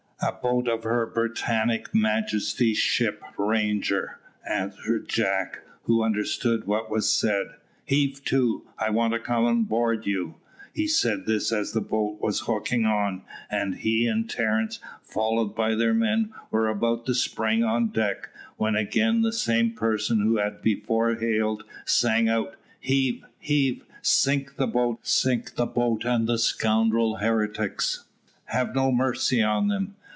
"A boat of her Britannic Majesty's ship Ranger," answered Jack, who understood what was said. "Heave to, I want to come on board you." He said this as the boat was hooking on, and he and Terence, followed by their men, were about to spring on deck, when again the same person who had before hailed, sang out, "Heave, heave, sink the boat and the scoundrel heretics. Have no mercy on them."